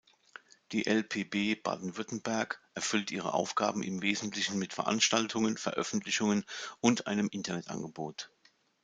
Die LpB Baden-Württemberg erfüllt ihre Aufgaben im Wesentlichen mit Veranstaltungen, Veröffentlichungen und einem Internetangebot.